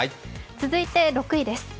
続いて６位です。